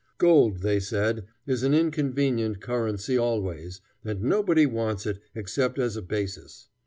Gold, they said, is an inconvenient currency always, and nobody wants it, except as a basis.